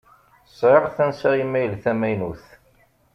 Sεiɣ tansa imayl tamaynut.